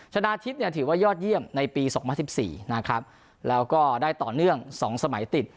ชนะทิพย์เนี่ยถือว่ายอดเยี่ยมในปี๒๐๑๔นะครับแล้วก็ได้ต่อเนื่อง๒สมัยติด